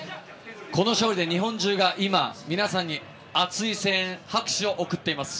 この勝利で日本中が今、皆さんに熱い声援、拍手を送っています。